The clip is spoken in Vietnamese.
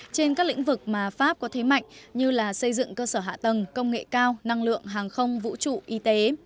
trên các lĩnh vực mà pháp có thế mạnh như là xây dựng cơ sở hạ tầng công nghệ cao năng lượng hàng không vũ trụ y tế